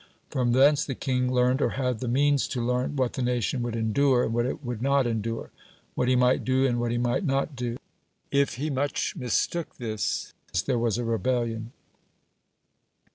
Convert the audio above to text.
From thence the king learned, or had the means to learn, what the nation would endure, and what it would not endure; what he might do, and what he might not do. If he much mistook this, there was a rebellion.